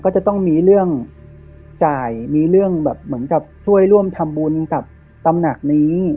ก็จะต้องมีเรื่องจ่ายมีเรื่องแบบเหมือนกับช่วยร่วมทำบุญกับตำหนักนี้